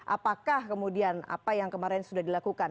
apakah kemudian apa yang kemarin sudah dilakukan